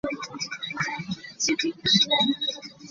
There are no restrictions on who can register.